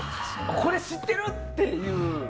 これ、知ってる！っていう。